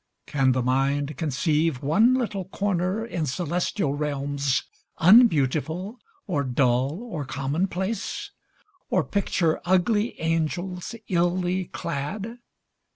Can the mind conceive One little corner in celestial realms Unbeautiful, or dull or commonplace? Or picture ugly angels, illy clad?